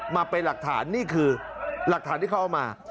มาเป็นหลักฐานนี่คือหลักฐานที่เขาเอามา